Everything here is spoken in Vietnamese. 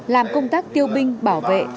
làm công tác tiêu binh bảo vệ